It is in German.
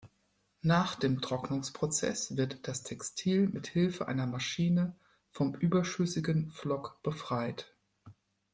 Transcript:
Nach dem Trocknungsprozess wird das Textil mit Hilfe einer Maschine vom überschüssigen Flock befreit.